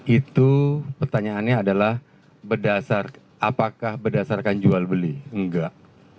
itu pertanyaannya adalah apakah berdasarkan jual beli enggak